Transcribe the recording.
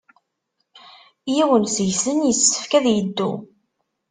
Yiwen seg-sen yessefk ad yeddu.